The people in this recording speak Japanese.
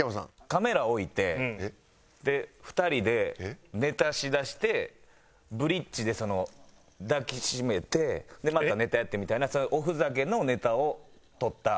カメラ置いてで２人でネタしだしてブリッジで抱きしめてまたネタやってみたいなおふざけのネタを撮った。